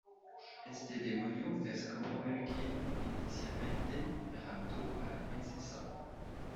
Este demonio es como el que inicialmente raptó a la princesa.